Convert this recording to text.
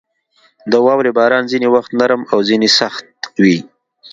• د واورې باران ځینې وخت نرم او ځینې سخت وي.